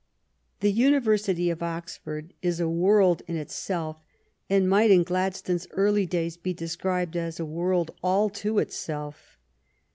The University of Oxford is a world in itself, and might in Gladstone s early days be described as a world all to itself.